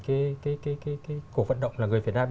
cái cuộc vận động là người việt nam